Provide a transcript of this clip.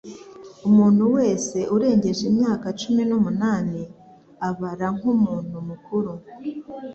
Umuntu wese urengeje imyaka cumi n'umunani abara nkumuntu mukuru.